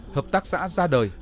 hợp tác xã ra đời